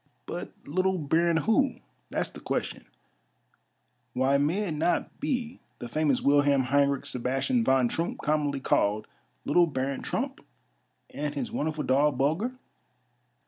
" But little Baron who, that's the question ? Why may it not be the famous Wilhelm Heinrich Sebastian von Troomp, commonly called " Little Baron Trump," and his wonderful dog Bulger